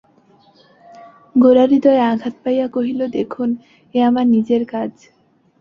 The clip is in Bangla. গোরা হৃদয়ে আঘাত পাইয়া কহিল, দেখুন, এ আমার নিজের কাজ।